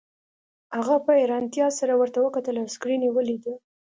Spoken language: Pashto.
هغه په حیرانتیا سره ورته وکتل او سکرین یې ولید